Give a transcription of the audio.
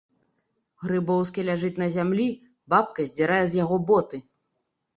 Грыбоўскі ляжыць на зямлі, бабка здзірае з яго боты.